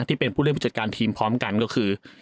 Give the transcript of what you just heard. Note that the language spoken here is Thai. ที่เป็นผู้เล่นผู้จัดการทีมพร้อมกันก็คือ